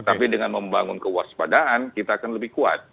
tapi dengan membangun kewaspadaan kita akan lebih kuat